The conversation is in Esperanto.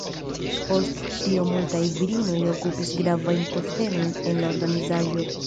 Post tio multaj virinoj okupis gravajn postenojn en la organizaĵo.